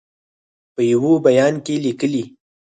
په یوه بیان کې لیکلي